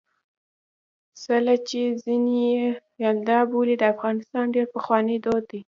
څِله چې ځيني يې یلدا بولي د افغانستان ډېر پخوانی دود دی.